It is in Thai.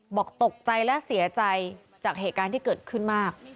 บอกตกใจและเสียใจจากเหตุการณ์ที่เกิดขึ้นมาก